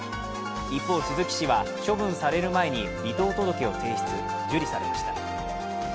一方、鈴木氏は処分される前に離党届を提出、受理されました。